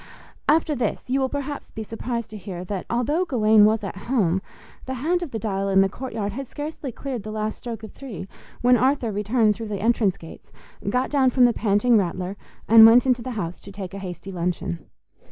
After this, you will perhaps be surprised to hear that although Gawaine was at home, the hand of the dial in the courtyard had scarcely cleared the last stroke of three when Arthur returned through the entrance gates, got down from the panting Rattler, and went into the house to take a hasty luncheon.